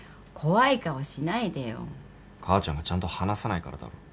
母ちゃんがちゃんと話さないからだろ。